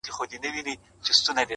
د لستوڼي مار -